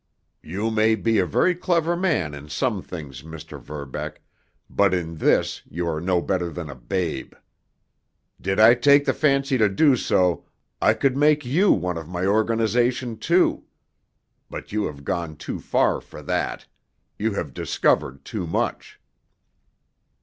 "You may be a very clever man in some things, Mr. Verbeck, but in this you are no better than a babe. Did I take the fancy to do so, I could make you one of my organization, too. But you have gone too far for that—you have discovered too much."